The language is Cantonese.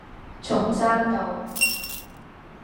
松山道